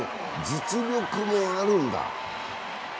実力もあるんだ。